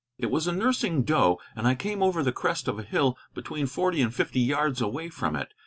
It was a nursing doe, and I came over the crest of a hill, between forty and fifty yards away from it.